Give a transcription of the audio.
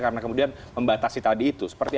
karena kemudian membatasi tadi itu